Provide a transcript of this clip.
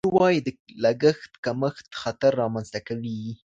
راپور وايي د لګښت کمښت خطر رامنځته کوي.